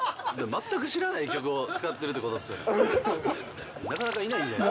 全く知らない曲を使ってるってことですよね？